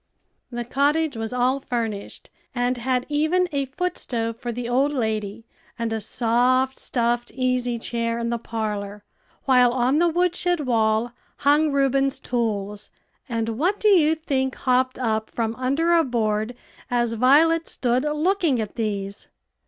The cottage was all furnished, and had even a foot stove for the old lady, and a soft, stuffed easy chair in the parlor, while on the woodshed wall hung Reuben's tools; and what do you think hopped up from under a board as Violet stood looking at these?